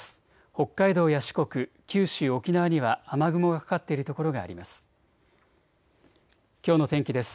北海道や四国、九州、沖縄には雨雲がかかっている所があります。